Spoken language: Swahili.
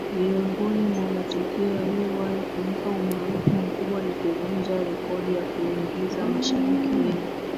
Miongoni mwa matukio yaliyowahi kumpa umaarufu mkubwa ni kuvunja rekodi ya kuingiza mashabiki wengi